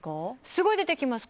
すごい出てきます。